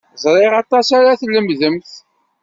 Ẓriɣ aṭas ara d-tlemdemt.